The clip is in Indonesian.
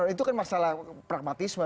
itu kan masalah pragmatisme